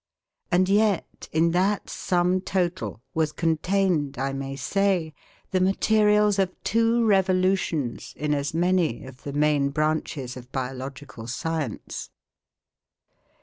And yet in that sum total was contained, I may say, the materials of two revolutions in as many of the main branches of biological science.